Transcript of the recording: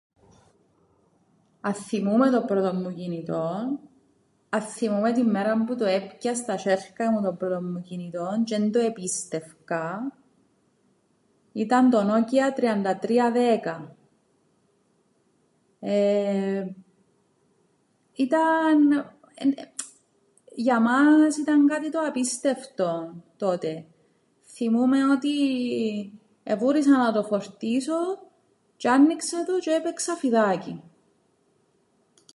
Αθθυμούμαι το πρώτον μου κινητόν, αθθυμούμαι την ημέραν που το έπια στα σ̆έρκα μου το πρώτον μου κινητόν τζ̆’ εν το επίστευκα, ήταν το Nokia τριάντα τρία δέκα, ήταν για μας ήταν κάτι το απίστευτον τότε, θθυμούμαι ότι εβούρησα να το φορτίσω τζ̆’ άννοιξα το τζ̆’ έπαιξα φιδάκιν.